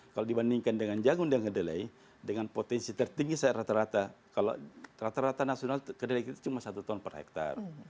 kalau dibandingkan dengan jagung dan kedelai dengan potensi tertinggi saya rata rata kalau rata rata nasional kedelai kita cuma satu ton per hektare